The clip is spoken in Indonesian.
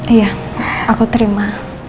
iya aku terima